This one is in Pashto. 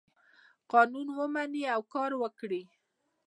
که قانون ومني او کار وکړي.